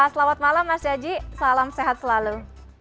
selamat malam mas yaji salam sehat selalu